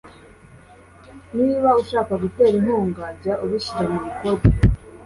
niba ushaka gutera inkunga jya ubishyira mu bikorwa